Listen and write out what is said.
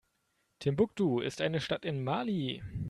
Timbuktu ist eine Stadt in Mali.